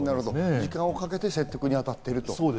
時間をかけて説得に当たっていると。